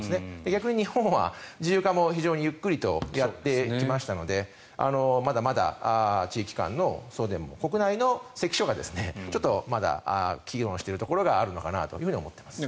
逆に日本は自由化も非常にゆっくりとやってきましたのでまだまだ地域間の送電網国内の関所がちょっとまだ機能しているところがあるのかなと思っています。